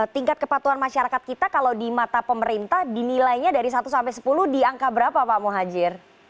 tingkat kepatuhan masyarakat kita kalau di mata pemerintah dinilainya dari satu sampai sepuluh di angka berapa pak muhajir